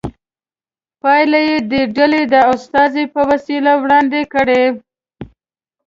پایلې دې ډلې د استازي په وسیله وړاندې کړي.